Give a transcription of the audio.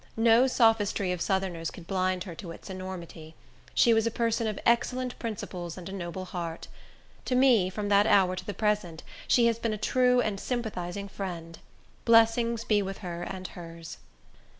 No sophistry of Southerners could blind her to its enormity. She was a person of excellent principles and a noble heart. To me, from that hour to the present, she has been a true and sympathizing friend. Blessings be with her and hers!